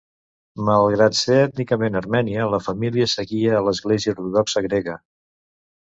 Malgrat ser ètnicament armènia, la família seguia a l'Església Ortodoxa Grega.